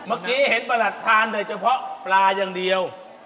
เมื่อกี้เห็นประหลัดทานแต่เฉพาะปลาอย่างเดียว